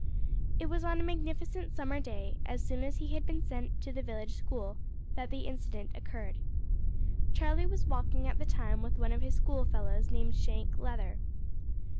It was on a magnificent summer day, soon after he had been sent to the village school, that the incident occurred. Charlie was walking at the time with one of his school fellows named Shank Leather.